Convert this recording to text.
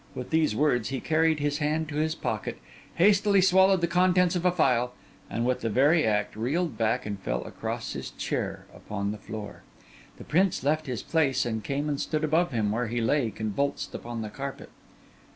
With these words he carried his hand to his pocket, hastily swallowed the contents of a phial, and, with the very act, reeled back and fell across his chair upon the floor. The prince left his place and came and stood above him, where he lay convulsed upon the carpet.